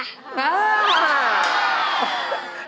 อ้าว